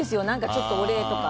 ちょっとお礼とか。